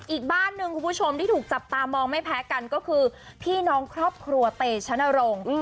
อีกบ้านหนึ่งคุณผู้ชมที่ถูกจับตามองไม่แพ้กันก็คือพี่น้องครอบครัวเตชนรงค์